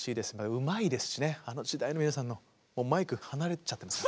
うまいですしねあの時代の皆さんのもうマイク離れちゃってます。